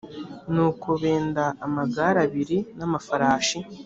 nuko benda amagare abiri n amafarashi